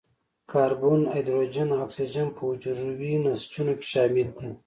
کاربن، هایدروجن او اکسیجن په حجروي نسجونو کې شامل دي.